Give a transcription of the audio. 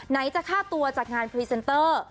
จะฆ่าตัวจากงานพรีเซนเตอร์